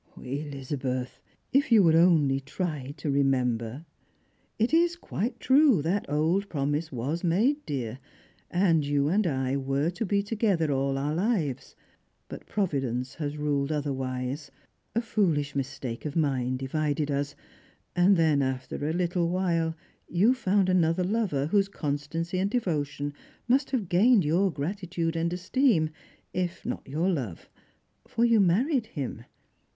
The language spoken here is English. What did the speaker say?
" Ehzabeth, if you would only try to remember. It is quite true that old promise was made, dear, and you and I were to be together all our lives. But Providence has ruled otherwise. A foolish mistake of mine divided us, and then, after a little while, vou found another lover whose constancy and devotion must nave gained your gratitude and esteem, if not your love, for yon married him.